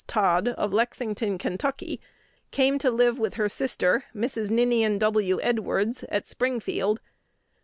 Todd of Lexington, Ky., came to live with her sister, Mrs. Ninian W. Edwards, at Springfield.